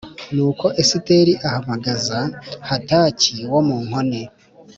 Nuko Esiteri ahamagaza Hataki wo mu nkone